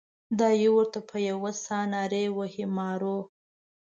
دای ورته په یوه ساه نارې وهي مارو.